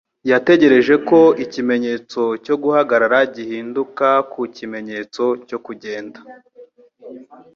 Yategereje ko ikimenyetso cyo guhagarara gihinduka ku kimenyetso cyo kugenda.